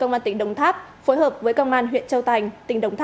và tỉnh tiền giang